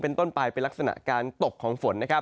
เป็นต้นปลายเป็นลักษณะการตกของฝน